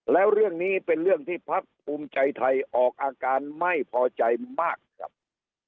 แล้วเรื่องนี้เป็นเรื่องที่พักภูมิใจไทยออกอาการไม่พอใจมากครับ